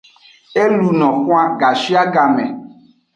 E luno xwan gashiagame.